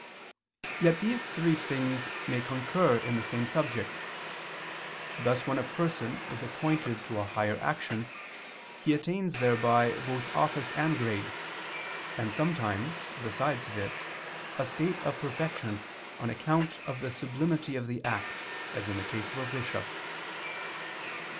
Yet these three things may concur in the same subject: thus when a person is appointed to a higher action, he attains thereby both office and grade, and sometimes, besides this, a state of perfection, on account of the sublimity of the act, as in the case of a bishop.